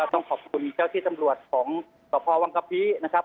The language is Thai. ต้องขอบคุณเจ้าที่ตำรวจของสพวังกะพีนะครับ